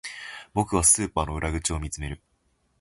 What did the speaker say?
僕はスーパーの裏口を見つめる